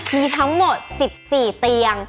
มีทั้งหมด๑๔ตี